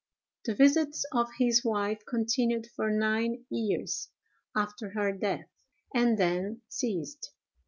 The visits of his wife continued for nine years after her death, and then ceased.